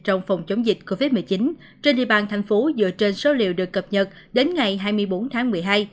trong phòng chống dịch covid một mươi chín trên địa bàn thành phố dựa trên số liệu được cập nhật đến ngày hai mươi bốn tháng một mươi hai